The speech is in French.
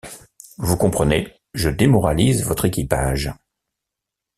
Vous comprenez, je démoralise votre équipage.